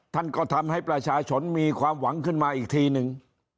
ท่านก็ทำให้ประชาชนมีความหวังขึ้นมาอีกทีหนึ่ง